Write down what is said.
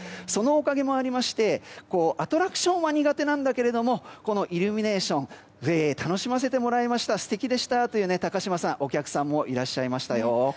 そのおかげもありましてアトラクションは苦手なんだけどイルミネーションで楽しませてもらえました素敵でしたというお客さんもいらっしゃいましたよ。